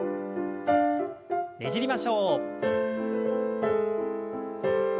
ねじりましょう。